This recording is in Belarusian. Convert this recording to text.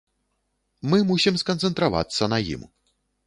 Мы мусім сканцэнтравацца на ім.